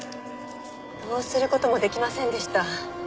どうする事もできませんでした。